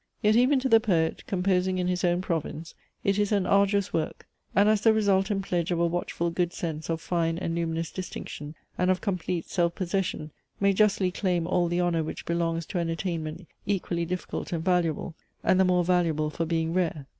Yet even to the poet, composing in his own province, it is an arduous work: and as the result and pledge of a watchful good sense of fine and luminous distinction, and of complete self possession, may justly claim all the honour which belongs to an attainment equally difficult and valuable, and the more valuable for being rare.